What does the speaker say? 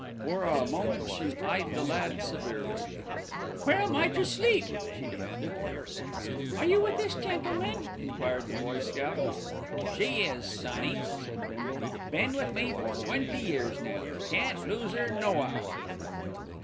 For a moment she eyed the lad severely. "Where am I to sleep?" she demanded. "Are you with this gentleman?" enquired the boy scout. "She is, sonny," said Bindle, "been with me for twenty years now. Can't lose 'er no'ow."